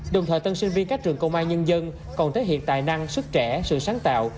đồng thời tân sinh viên các trường công an nhân dân còn thể hiện tài năng sức trẻ sự sáng tạo